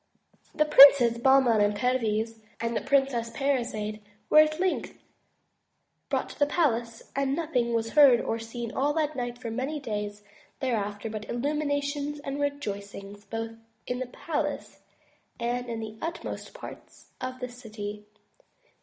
The Princes Bahman and Perviz and the Princess Parizade were at length brought to the palace, and nothing was heard or seen all that night and for many days thereafter but illuminations and rejoic ings both in the palace and in the utmost parts of the city.